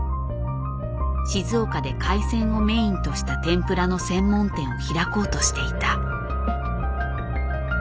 静岡で海鮮をメインとした天ぷらの専門店を開こうとしていた。